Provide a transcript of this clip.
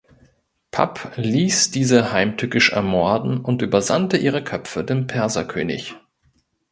Pap ließ diese heimtückisch ermorden und übersandte ihre Köpfe dem Perserkönig.